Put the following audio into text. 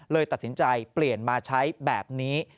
เลยตัดสินใจเปลี่ยนมาใช้แบบนี้